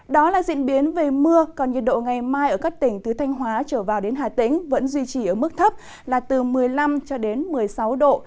đó là diễn biến về mưa còn nhiệt độ ngày mai ở các tỉnh từ thanh hóa trở vào đến hà tĩnh vẫn duy trì ở mức thấp là từ một mươi năm một mươi sáu độ